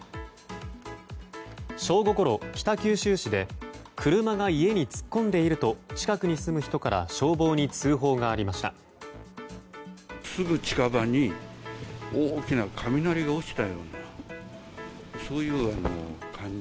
正午ごろ、北九州市で車が家に突っ込んでいると近くに住む人から消防に通報がありました。